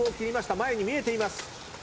前に見えています。